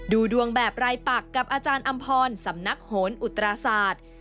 ดูดวงแบบรายปักกับอาจารย์อำพรสำนักโหนอุตราศาสตร์